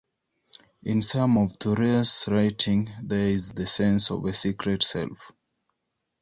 In some of Thoreau's writing there is the sense of a secret self.